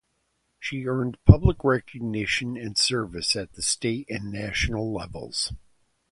She earned public recognition and service at the state and national levels.